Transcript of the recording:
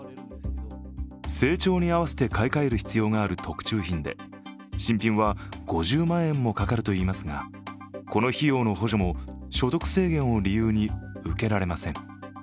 成長に合わせて買い替える必要がある特注品で新品は５０万円もかかるといいますがこの費用の補助も所得制限を理由に受けられません。